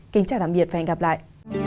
kính chào tạm biệt và hẹn gặp lại